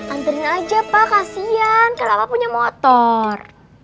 anterin aja pa kasian kalau papa punya motor